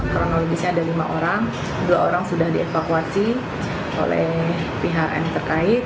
kronologisnya ada lima orang dua orang sudah dievakuasi oleh pihak yang terkait